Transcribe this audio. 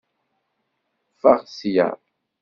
Ffeɣ ssya!